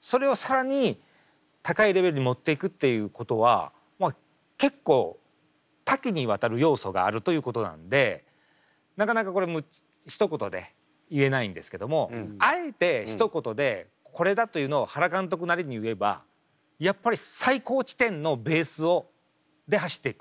それを更に高いレベルにもっていくっていうことはまあ結構多岐にわたる要素があるということなんでなかなかこれひと言で言えないんですけどもあえてひと言でこれだというのを原監督なりに言えばやっぱり最高地点のベースで走っていく。